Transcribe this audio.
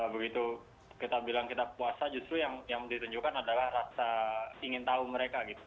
begitu kita bilang kita puasa justru yang ditunjukkan adalah rasa ingin tahu mereka gitu